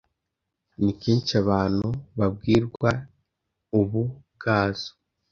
nikenshi abantu babwrwa ubi bwazo